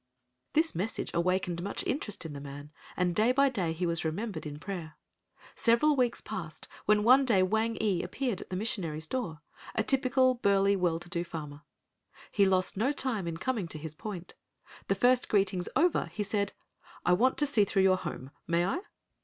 This message awakened much interest in the man, and day by day he was remembered in prayer. Several weeks passed when one day Wang ee appeared at the missionary's door,—a typical, burly, well to do farmer. He lost no time in coming to his point. The first greetings over, he said, "I want to see through your home. May I?"